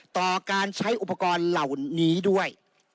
ต่อการใช้อุปกรณ์เหล่านี้ด้วย